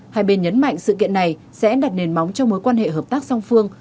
hai bên nhấn mạnh sự kiện này sẽ đặt nền móng cho mối quan hệ hợp tác song phương